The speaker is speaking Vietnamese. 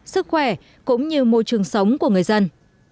sức khỏe cũng như môi trường sống của người dân